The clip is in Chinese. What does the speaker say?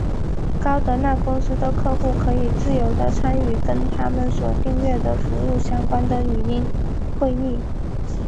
高德纳公司的客户可以自由的参与跟它们所订阅的服务相关的语音会议。